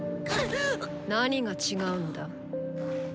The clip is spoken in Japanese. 何が違うのだ？